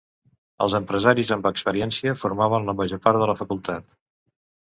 Els empresaris amb experiència formaven la major part de la facultat.